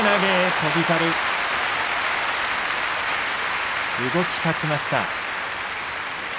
翔猿、動き勝ちました。